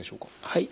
はい。